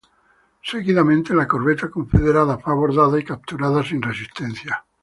Seguidamente la corbeta confederada fue abordada y capturada sin resistencia.